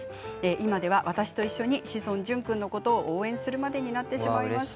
今では私と一緒に志尊淳君のことを応援するまでになりました。